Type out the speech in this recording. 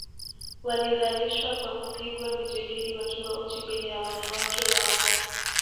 Walidhalishwa kwa kupigwa mijeledi wakiwa uchi mbele ya wanawake wao